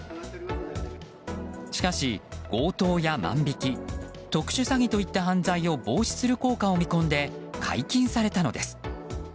しかし強盗や万引き特殊詐欺といった犯罪を防止する効果を見込んで解禁されたのです。